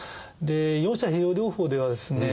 四者併用療法ではですね